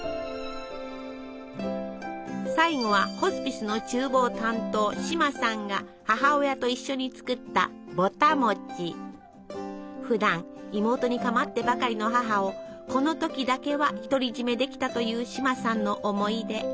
最後はホスピスのちゅう房担当シマさんが母親と一緒に作ったふだん妹にかまってばかりの母をこの時だけは独り占めできたというシマさんの思い出。